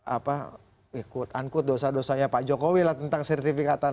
apa ikut ankut dosa dosanya pak jokowi lah tentang sertifikatan